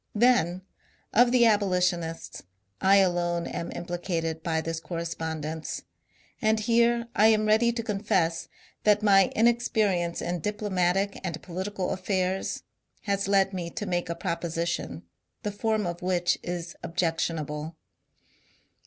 Then, of the abolitionists, I alone am implicated by this correspondence. And here I am ready to confess that my inexperience in diplomatic and political affairs has led me to make a proposition, the form of which is objectionable.